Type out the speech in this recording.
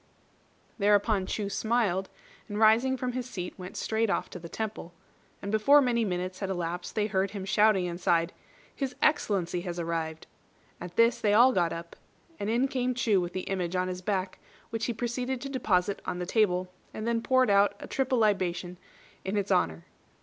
Thereupon Chu smiled, and rising from his seat went straight off to the temple; and before many minutes had elapsed they heard him shouting outside, "His Excellency has arrived!" At this they all got up, and in came Chu with the image on his back, which he proceeded to deposit on the table, and then poured out a triple libation in its honour.